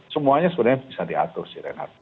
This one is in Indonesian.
semuanya sebetulnya bisa diatur renard